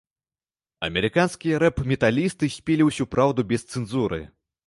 Амерыканскія рэп-металісты спелі ўсю праўду без цэнзуры.